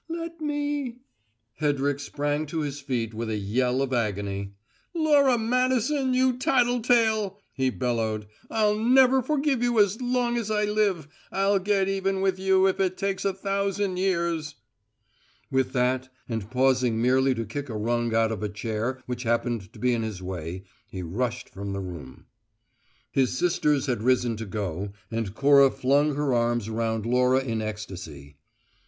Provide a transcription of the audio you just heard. Let me " Hedrick sprang to his feet with a yell of agony. "Laura Madison, you tattle tale," he bellowed, "I'll never forgive you as long as I live! I'll get even with you if it takes a thousand years!" With that, and pausing merely to kick a rung out of a chair which happened to be in his way, he rushed from the room. His sisters had risen to go, and Cora flung her arms round Laura in ecstacy.